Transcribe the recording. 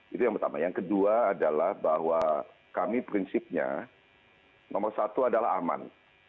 itu yang pertama yang kedua adalah bahwa kami prinsipnya nomor satu adalah aman